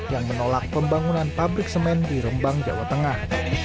yang menolak pembangunan pabrik semen di rembang jawa tengah